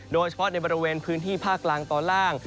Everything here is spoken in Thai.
โดยเฉพาะในบริเวณพื้นที่ภาคกลางตอนล่าง